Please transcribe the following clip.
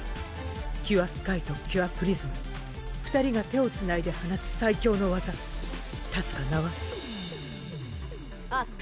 キュアスカイとキュアプリズム２人が手をつないで放つ最強の技たしか名はアップ